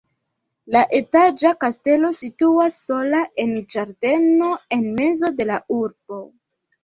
La etaĝa kastelo situas sola en ĝardeno en mezo de la urbo.